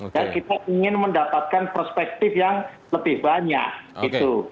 dan kita ingin mendapatkan perspektif yang lebih banyak gitu